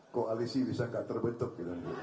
koalisi bisa gak terbentuk